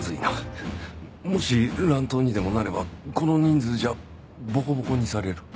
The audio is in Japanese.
もし乱闘にでもなればこの人数じゃボコボコにされる